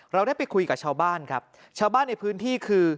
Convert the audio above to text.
เราได้ไปคุยกับชาวบ้านครับชาวบ้านที่คือลุภิรรรดิ